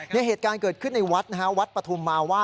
นี่เหตุการณ์เกิดขึ้นในวัดนะฮะวัดปฐุมมาว่า